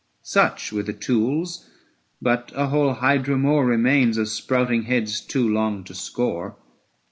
540 Such were the tools ; but a whole Hydra more Remains of sprouting heads too long to score.